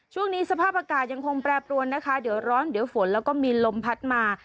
ช่วงนี้สภาพอากาศยังคงแปรปรวนนะคะเดี๋ยวร้อนเดี๋ยวฝนแล้วก็มีลมพัดมา